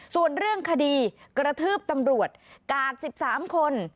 ส่วนเรื่องคดีกระทืบตำรวจกาด๑๓คน